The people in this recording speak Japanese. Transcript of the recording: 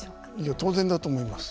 当然だと思います。